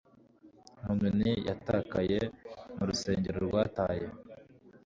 Nka nyoni yatakaye mu rusengero rwataye